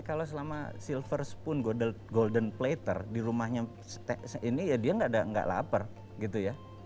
ya kalau selama silver spoon golden platter di rumahnya ini ya dia gak lapar gitu ya